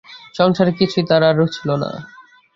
সংসারে কিছুই তাঁর আর রুচল না।